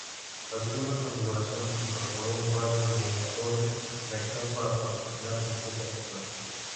La segunda configuración incorporó un par de motores de reacción para proporcionar empuje adicional.